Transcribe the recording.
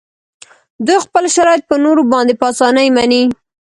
دوی خپل شرایط په نورو باندې په اسانۍ مني